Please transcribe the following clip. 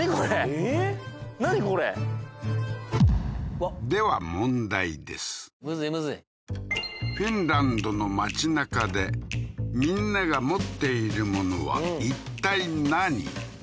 これではむずいむずいフィンランドの街中でみんなが持っているものはいったい何？